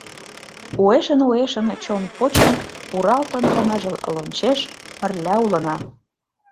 Уэшын-уэшын, чон почын, уралтын ты ныжыл лончеш, пырля улына.